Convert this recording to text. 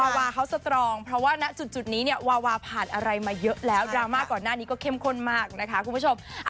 วาวาเขาสตรองเพราะว่าณจุดนี้เนี่ยวาวาผ่านอะไรมาเยอะแล้วดราม่าก่อนหน้านี้ก็เข้มข้นมากนะคะคุณผู้ชม